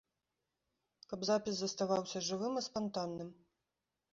Каб запіс заставаўся жывым і спантанным.